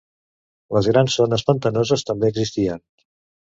Les grans zones pantanoses també existien.